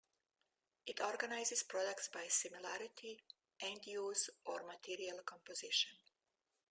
It organizes products by similarity, end use, or material composition.